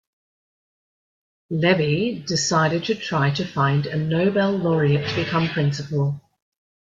Levy decided to try to find a Nobel laureate to become principal.